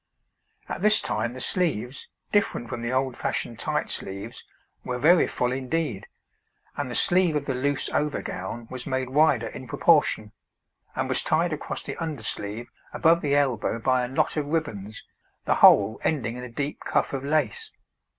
At this time the sleeves, different from the old fashioned tight sleeves, were very full indeed, and the sleeve of the loose over gown was made wider in proportion, and was tied across the under sleeve above the elbow by a knot of ribbons, the whole ending in a deep cuff of lace.